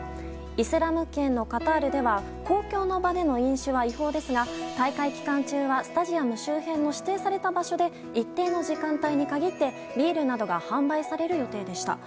イスラム圏のカタールでは公共の場での飲酒は違法ですが大会期間中はスタジアム周辺の指定された場所で一定の時間帯に限ってビールなどが販売される予定でした。